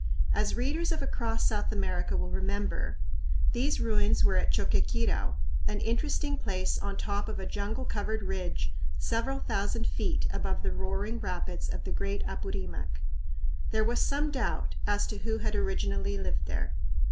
As readers of "Across South America" will remember, these ruins were at Choqquequirau, an interesting place on top of a jungle covered ridge several thousand feet above the roaring rapids of the great Apurimac. There was some doubt as to who had originally lived here.